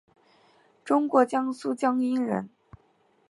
中国江苏江阴人。